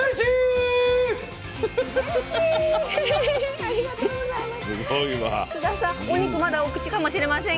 ありがとうございます！